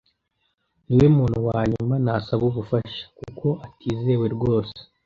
Niwe muntu wa nyuma nasaba ubufasha, kuko atizewe rwose.